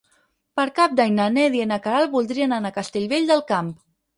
Per Cap d'Any na Neida i na Queralt voldrien anar a Castellvell del Camp.